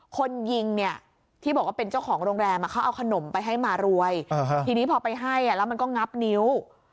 คนยิงเนี่ยที่บอกว่าเป็นเจ้าของโรงแรมเขาเอาขนมไปให้มารวยทีนี้พอไปให้แล้วมันก็งับนิ้ว